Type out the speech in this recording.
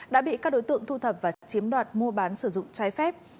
đã bị các đối tượng thu thập và chiếm đoạt mua bán sử dụng trái phép